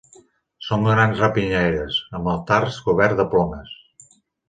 Són grans rapinyaires, amb el tars cobert de plomes.